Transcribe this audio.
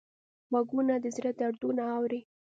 غوږونه د زړه دردونه اوري